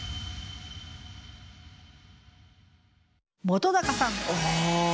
本さん。